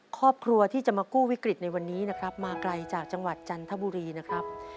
ครอบครัวที่จะมากู้วิกฤตในวันนี้นะครับมาไกลจากจังหวัดจันทบุรีนะครับ